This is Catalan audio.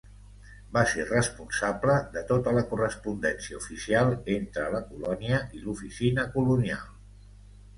Va ser responsable de tota la correspondència oficial entre la colònia i l'oficina colonial.